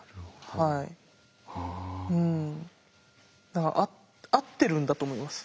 だから合ってるんだと思います。